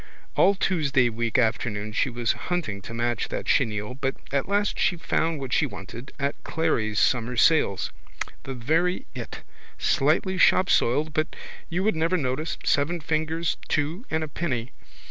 All Tuesday week afternoon she was hunting to match that chenille but at last she found what she wanted at Clery's summer sales, the very it, slightly shopsoiled but you would never notice, seven fingers two and a penny.